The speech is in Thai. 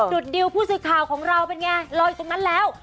ดุดดิวผู้สื่อข่าวของเราเป็นไงรออยู่ตรงนั้นแล้ว